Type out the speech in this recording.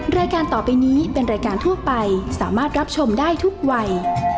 รายการต่อไปนี้เป็นรายการทั่วไปสามารถรับชมได้ทุกวัย